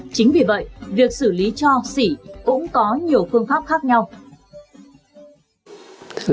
chính vì vậy việc xử lý cho xỉ cũng có nhiều phương pháp khác nhau